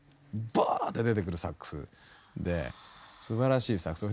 バーッと出てくるサックスですばらしいサックス。